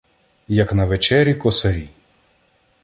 Як на вечері косарі.